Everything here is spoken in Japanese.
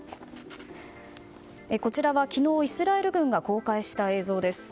こちらは昨日、イスラエル軍が公開した映像です。